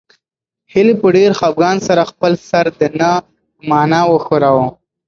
هیلې په ډېر خپګان سره خپل سر د نه په مانا وښوراوه.